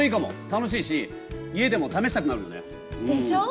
楽しいし家でも試したくなるよね！でしょう？